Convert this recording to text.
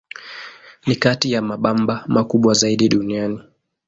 Ni kati ya mabamba makubwa zaidi duniani.